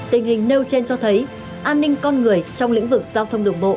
tình hình nêu trên cho thấy an ninh con người trong lĩnh vực giao thông đường bộ